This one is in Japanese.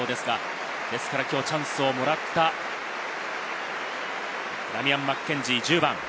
きょうチャンスをもらったダミアン・マッケンジー、１０番。